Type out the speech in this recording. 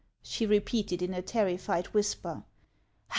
" she repeated in a terrified whisper.